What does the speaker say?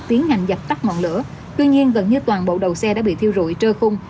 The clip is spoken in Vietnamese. tiến hành dập tắt ngọn lửa tuy nhiên gần như toàn bộ đầu xe đã bị thiêu rụi trơi khung